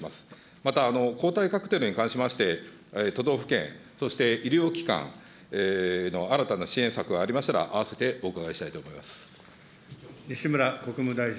また抗体カクテルに関しまして、都道府県、そして医療機関の新たな支援策がありましたら、あわせてお伺いしたいと思います。